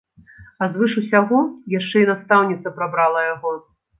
А звыш усяго, яшчэ і настаўніца прабрала яго.